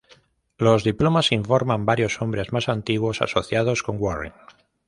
Los diplomas informan varios hombres más antiguos asociados con Warenne.